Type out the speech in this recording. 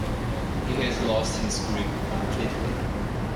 He has lost his grip completely.